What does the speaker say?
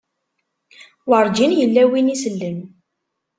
Werǧin yella win isellen.